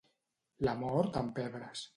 La mort amb pebres.